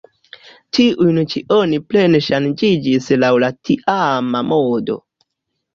Tiujn ĉi oni plene ŝanĝis laŭ la tiama modo.